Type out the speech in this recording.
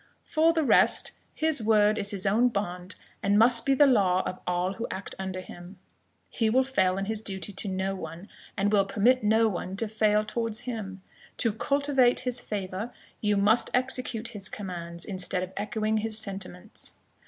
For the rest, his word is his own bond, and must be the law of all who act under him. He will fail in his duty to no one, and will permit no one to fail towards him; to cultivate his favour, you must execute his commands, instead of echoing his sentiments.